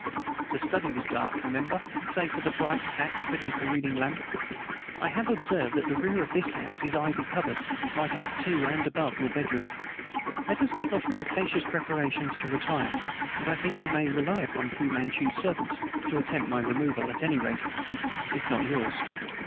The study was dark, remember, save for the bright patch beneath the reading lamp. I have observed that the rear of this house is ivy covered right up to and above your bedroom. Let us make ostentatious preparations to retire, and I think we may rely upon Fu Manchu's servants to attempt my removal, at any rate if not yours."